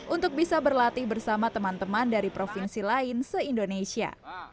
untuk bisa berlatih bersama teman teman dari provinsi lain se indonesia